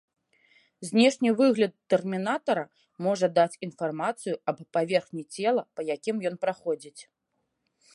Знешні выгляд тэрмінатара можа даць інфармацыю аб паверхні цела, па якім ён праходзіць.